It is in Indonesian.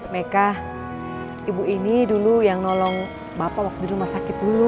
meka ibu ini dulu yang nolong bapak waktu di rumah sakit dulu